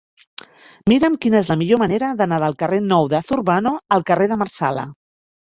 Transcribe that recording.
Mira'm quina és la millor manera d'anar del carrer Nou de Zurbano al carrer de Marsala.